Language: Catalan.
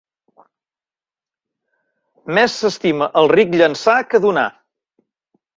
Més s'estima el ric llençar que donar.